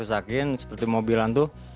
disuruh dirusakin seperti mobilan tuh